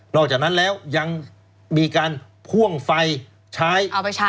อกจากนั้นแล้วยังมีการพ่วงไฟใช้